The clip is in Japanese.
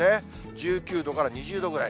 １９度から２０度ぐらい。